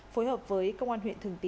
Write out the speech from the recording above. phối hợp với công an huyện thường tín